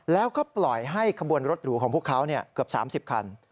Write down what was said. แล้วก็ปล่อยให้ขบวนรถหรูของพวกเขาเกือบ๓๐คัน